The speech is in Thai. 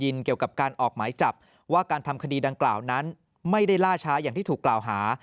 เกี่ยวกับการออกหมายจับว่าการทำคดีดังกล่าวนั้นไม่ได้ล่าช้าอย่างที่ถูกกล่าวหา